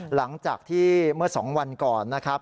หลังจากที่เมื่อ๒วันก่อนนะครับ